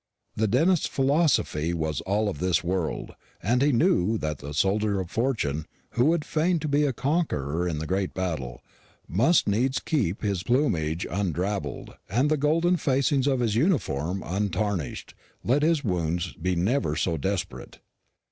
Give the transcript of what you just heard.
The dentist's philosophy was all of this world, and he knew that the soldier of fortune, who would fain be a conqueror in the great battle, must needs keep his plumage undrabbled and the golden facings of his uniform untarnished, let his wounds be never so desperate.